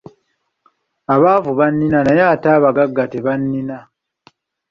Abaavu bannina naye ate abagagga tebannina.